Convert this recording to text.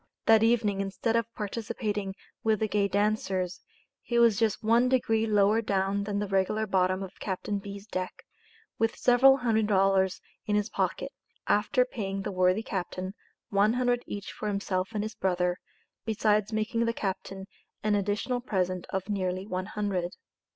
That evening, instead of participating with the gay dancers, he was just one degree lower down than the regular bottom of Captain B's. deck, with several hundred dollars in his pocket, after paying the worthy captain one hundred each for himself and his brother, besides making the captain an additional present of nearly one hundred.